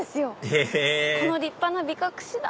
へぇこの立派なビカクシダ！